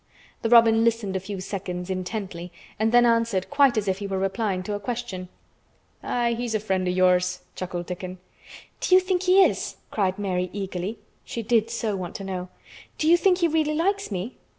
The robin listened a few seconds, intently, and then answered quite as if he were replying to a question. "Aye, he's a friend o' yours," chuckled Dickon. "Do you think he is?" cried Mary eagerly. She did so want to know. "Do you think he really likes me?"